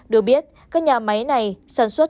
được biết các nhà máy này sản xuất